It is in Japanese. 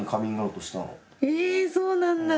そうなんだ。